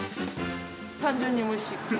単純においしい。